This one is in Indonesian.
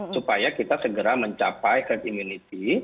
supaya kita segera mencapai herd immunity